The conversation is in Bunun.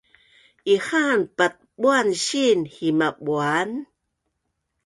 Ihaan paat buan siin hima buan